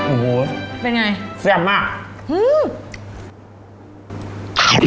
โอ้เป็นไงเสียบมากอื้อ